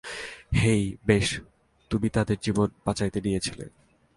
হেই, বেশ, তুমি আমাদের জীবন বাঁচাতে নিয়েছিলে।